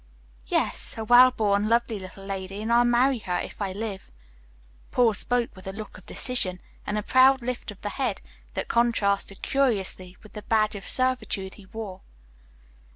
"Yes, a wellborn, lovely little lady, and I'll marry her if I live." Paul spoke with a look of decision, and a proud lift of the head that contrasted curiously with the badge of servitude he wore.